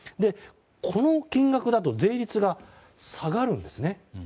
この金額だと税率が下がるんですね。